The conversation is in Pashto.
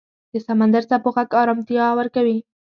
د سمندر څپو غږ آرامتیا ورکوي.